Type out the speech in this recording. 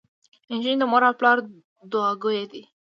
انجونو د مور او پلار دوعاګويه دي.